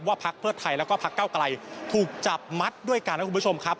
ว่าพักเพิศไทยและก็พักเก้าไกรถูกจับมัดด้วยกันนะครับคุณผู้ชมครับ